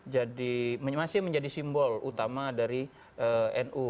jadi masih menjadi simbol utama dari nu